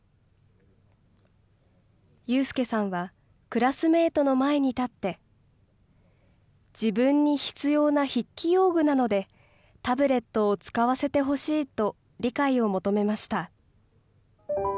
有祐さんは、クラスメートの前に立って、自分に必要な筆記用具なので、タブレットを使わせてほしいと理解を求めました。